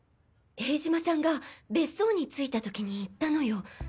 塀島さんが別荘に着いた時に言ったのよ。